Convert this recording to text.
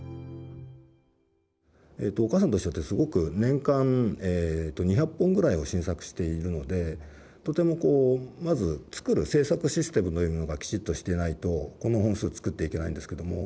「おかあさんといっしょ」ってすごく年間２００本ぐらいを新作しているのでとてもまず作る制作システムというのがきちっとしていないとこの本数作っていけないんですけども。